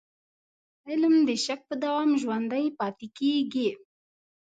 علم د شک په دوام ژوندی پاتې کېږي.